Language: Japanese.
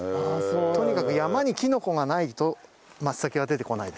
とにかく山にキノコがないと松茸は出てこないです。